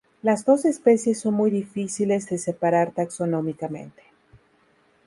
Las dos especies son muy difíciles de separar taxonómicamente.